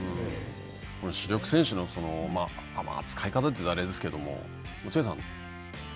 主力選手の、扱い方といったらあれですけれども、落合さん。